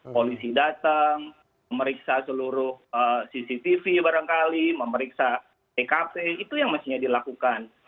polisi datang memeriksa seluruh cctv barangkali memeriksa tkp itu yang mestinya dilakukan